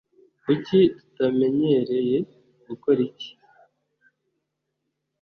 Kuki utanyemereye gukora iki